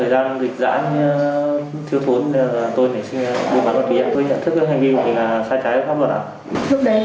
vâng vâng vâng